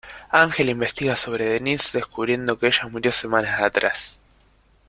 Ángel investiga sobre Denise descubriendo que ella murió semanas atrás.